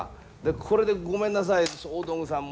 これでごめんなさい大道具さん